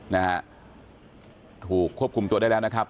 นะฮะถูกควบคุมตัวได้แล้วนะครับ